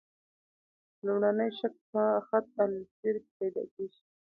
لومړنی شک په خط السیر کې پیدا کیږي.